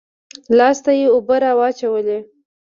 لاس ته يې اوبه رااچولې.